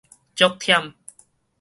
足忝